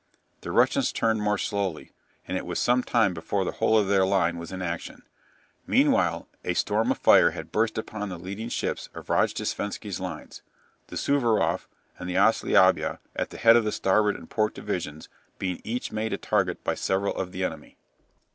The Russians turned more slowly, and it was some time before the whole of their line was in action. Meanwhile a storm of fire had burst upon the leading ships of Rojdestvensky's lines, the "Suvaroff" and the "Ossliabya" at the head of the starboard and port divisions being each made a target by several of the enemy.